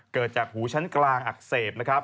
เกิดจากหูชั้นกลางอักเสบนะครับ